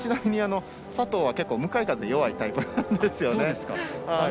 ちなみに佐藤は向かい風に弱いタイプなんですよね。